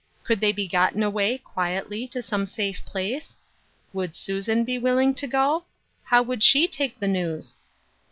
Could they be gotten away, quietly, to some safe place ? Would Susan be willing to go? How would she take the news?